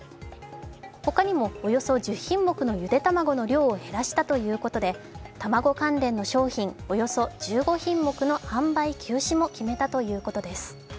ほかにもおよそ１０品目のゆで卵の量を減らしたということで卵関連の商品およそ１５品目の販売休止も決めたということです。